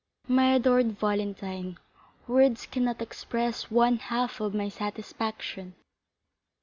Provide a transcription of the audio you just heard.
"My adored Valentine, words cannot express one half of my satisfaction."